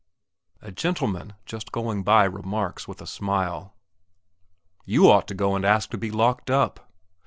A gentleman just going by remarks, with a smile, "You ought to go and ask to be locked up."